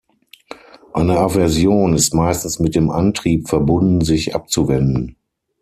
Eine Aversion ist meistens mit dem Antrieb verbunden, sich abzuwenden.